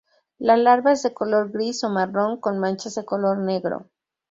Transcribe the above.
La larva es de color gris o marrón con manchas de color negro.